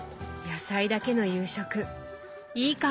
野菜だけの夕食いいかも！